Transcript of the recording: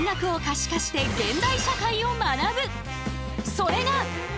それが。